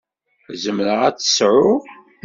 Zemreɣ ad t-sεuɣ?